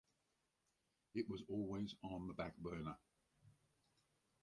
It was always on the back burner.